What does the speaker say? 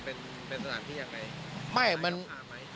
เป็นสถานที่อย่างไร